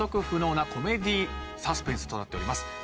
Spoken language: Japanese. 不能なコメディーサスペンスとなっております。